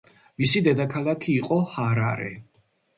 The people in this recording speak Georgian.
მისი დედაქალაქი იყო ჰარარე.